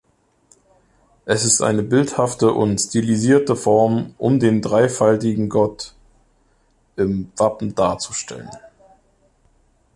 Es ist eine bildhafte und stilisierte Form, um den dreifaltigen Gott im Wappen darzustellen.